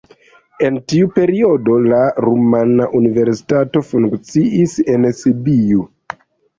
En tiu periodo la rumana universitato funkciis en Sibiu.